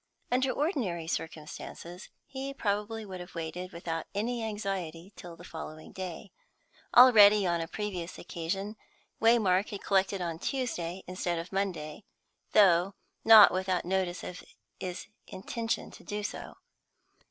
Under ordinary circumstances he probably would have waited without any anxiety till the following day; already on a previous occasion Waymark had collected on Tuesday instead of Monday, though not without notice of his intention to do so.